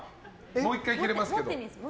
もう１回切れますけど。